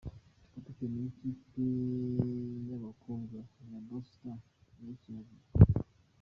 Kapiteni w’ikipe y’abakobwa ya Berco Stars yakira igikombe.